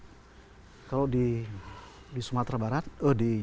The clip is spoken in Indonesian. di jawa barat dan di reactiona indonesia